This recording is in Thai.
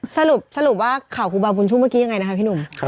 สรุปว่าข่าวครูบาบุญชุ่มเมื่อกี้ยังไงนะคะพี่หนุ่ม